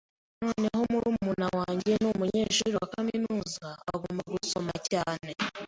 Noneho murumuna wanjye ni umunyeshuri wa kaminuza, agomba gusoma cyane.